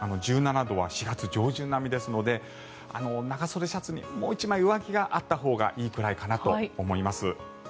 １７度は４月上旬並みですので長袖シャツにもう１枚上着があったほうがいいくらいかなと思います。